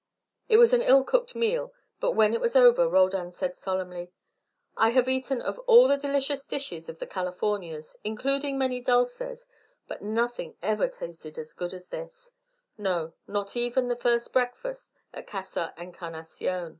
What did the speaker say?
It was an ill cooked meal, but when it was over Roldan said solemnly, "I have eaten of all the delicious dishes of the Californias, including many dulces, but nothing ever tasted as good as this; no, not even the first breakfast at Casa Encarnacion."